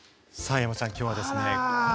山ちゃん、きょうはですね。